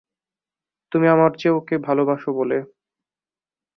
তুমি আমার চেয়ে ওকে ভালোবাস বলে।